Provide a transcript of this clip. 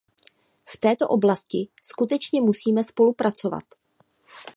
V této oblasti skutečně musíme spolupracovat.